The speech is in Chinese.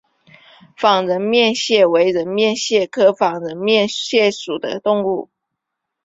仿人面蟹为人面蟹科仿人面蟹属的动物。